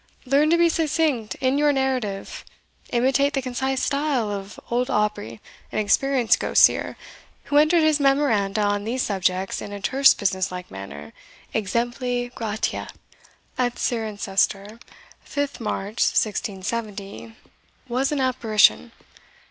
Learn to be succinct in your narrative. Imitate the concise style of old Aubrey, an experienced ghost seer, who entered his memoranda on these subjects in a terse business like manner; exempli gratia At Cirencester, 5th March, 1670, was an apparition.